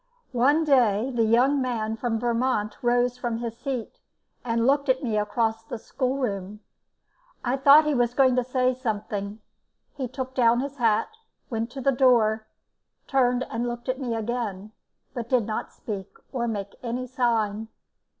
One day the young man from Vermont rose from his seat and looked at me across the schoolroom. I thought he was going to say something. He took down his hat, went to the door, turned and looked at me again, but he did not speak or make any sign.